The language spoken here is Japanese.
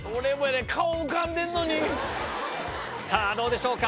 どうでしょうか？